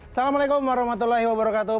assalamu'alaikum warohmatullohi wabarokatuh